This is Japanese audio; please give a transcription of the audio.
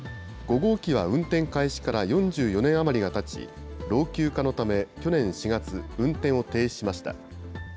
５号機は運転開始から４４年余りがたち、老朽化のため、去年４月、運転を停止しました。